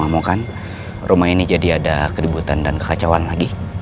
aku yakin dan percaya